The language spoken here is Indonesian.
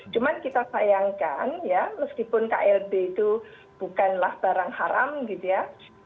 cuma kita sayangkan ya meskipun klb itu bukanlah barang haram gitu ya